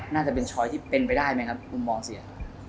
น่าจะเป็นช้อยที่เป็นไปได้ไหมครับคุณมองเสีย